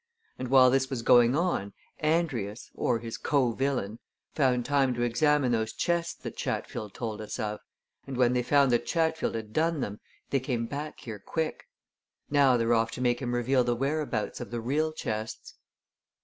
And while this was going on, Andrius, or his co villain, found time to examine those chests that Chatfield told us of, and when they found that Chatfield had done them, they came back here quick. Now they're off to make him reveal the whereabouts of the real chests."